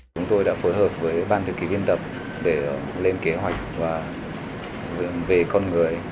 chúng tôi đã phối hợp với ban thư ký biên tập để lên kế hoạch về con người